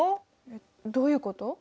えっどういうこと？